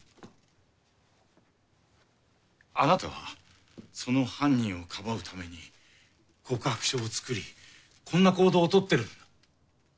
あなたはその犯人をかばうために告白書を作りこんな行動をとってる。